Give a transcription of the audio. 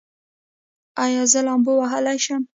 ایا زه لامبو وهلی شم؟